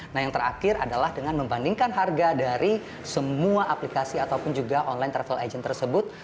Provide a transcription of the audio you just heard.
nah yang terakhir adalah dengan membandingkan harga dari semua aplikasi ataupun juga online travel agent tersebut